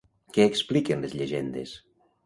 Què expliquen les llegendes?